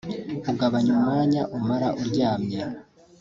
ugabanya umwanya umara uryamye